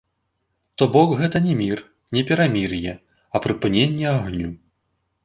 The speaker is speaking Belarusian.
То бок, гэта не мір, не перамір'е, а прыпыненне агню.